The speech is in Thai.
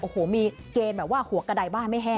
โอ้โหมีเกณฑ์แบบว่าหัวกระดายบ้านไม่แห้